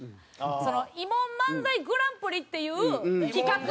慰問漫才グランプリっていう企画で。